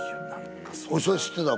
それ知ってたん？